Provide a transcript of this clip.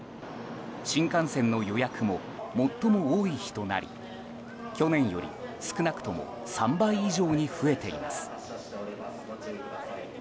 新幹線の予約も最も多い日となり去年より少なくとも３倍以上に増えています。